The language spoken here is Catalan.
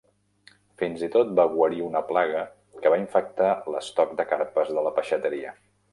Fins i tot va guarir una plaga que va infectar l'estoc de carpes de la peixateria.